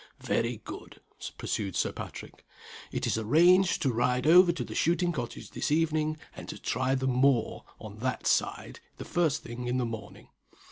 "Very good," pursued Sir Patrick, "It is arranged to ride over to the shooting cottage this evening, and to try the moor, on that side, the first thing in the morning.